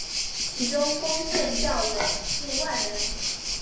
其中丰县教友近万人。